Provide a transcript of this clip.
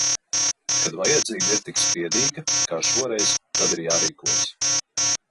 Kad vajadzība ir tik spiedīga, kā šoreiz, tad ir jārīkojas.